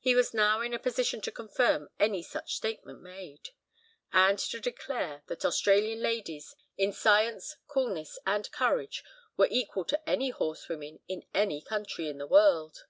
He was now in a position to confirm any such statement made, and to declare that Australian ladies, in science, coolness and courage, were equal to any horsewomen in any country in the world.